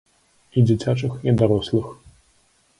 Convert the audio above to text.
І дзіцячых, і дарослых.